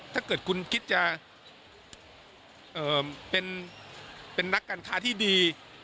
ถ้าเกิดคุณคิดจะเป็นนักการค้าที่ดี